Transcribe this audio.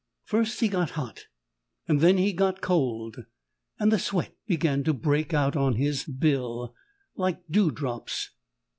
First he got hot and then he got cold, and the sweat began to break out on his bill like dew drops.